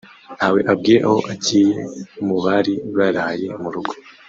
ntawe abwiye aho agiye mu bari baraye mu rugo